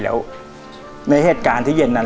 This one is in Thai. แล้วในเหตุการณ์ที่เย็นนั้น